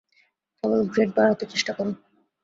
কেবল grade বাড়াতে চেষ্টা করো।